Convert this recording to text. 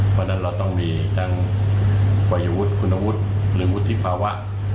เพราะฉะนั้นเราต้องมีทั้งวัยวุฒิคุณวุฒิหรือวุฒิภาวะ